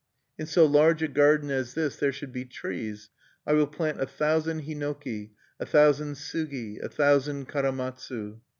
"In so large a garden as this there should be trees. I will plant a thousand hinoki, a thousand sugi, a thousand karamatsu.